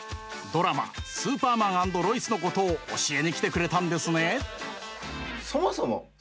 ドラマ「スーパーマン＆ロイス」のことを教えに来てくれたんですね。